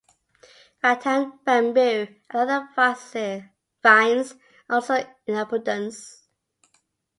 Rattan, bamboo and other vines are also in abundance.